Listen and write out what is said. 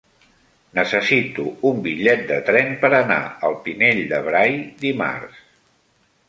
Necessito un bitllet de tren per anar al Pinell de Brai dimarts.